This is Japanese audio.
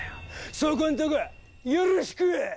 そこんとこよろしく！